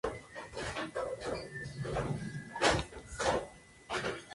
Logró salir de ella dejando la música y consagrándose a la literatura.